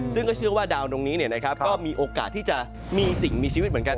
ซึ่งก็เชื่อว่าดาวตรงนี้ก็มีโอกาสที่จะมีสิ่งมีชีวิตเหมือนกัน